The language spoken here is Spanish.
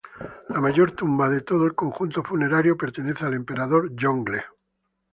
La mayor tumba de todo el conjunto funerario pertenece al emperador Yongle.